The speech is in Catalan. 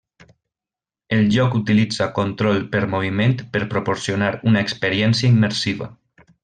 El joc utilitza control per moviment per proporcionar una experiència immersiva.